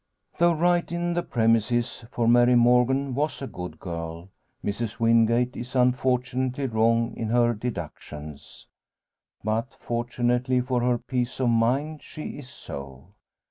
Though right in the premises for Mary Morgan was a good girl Mrs Wingate is unfortunately wrong in her deductions. But, fortunately for her peace of mind, she is so.